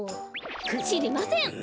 しりません。